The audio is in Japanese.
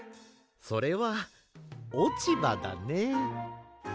それはおちばだね。